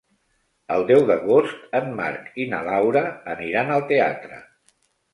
El deu d'agost en Marc i na Laura aniran al teatre.